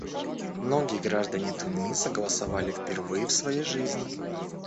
Многие граждане Туниса голосовали впервые в своей жизни.